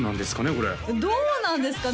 これどうなんですかね